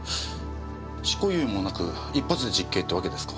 執行猶予もなく一発で実刑ってわけですか。